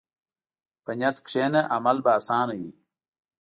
په نیت کښېنه، عمل به اسانه وي.